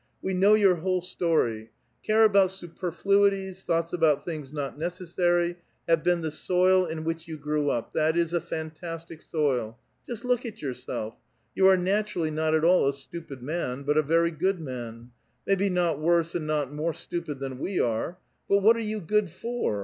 "We know j'our whole story; care about superflui ties, thoughts about things not necessary, have been the soil in which you grew up ; that is, a fantastic soil. Just look at yourself! You are naturally not at all a stupid man, but a very good man ; maybe not worse and not more stupid than we are ; but what are you good for?